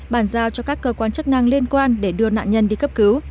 bàn giao cho các cơ quan chức năng liên quan để đưa nạn nhân đi cấp cứu